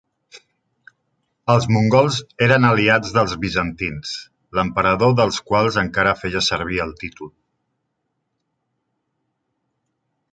Els mongols eren aliats dels bizantins, l'emperador dels quals encara feia servir el títol.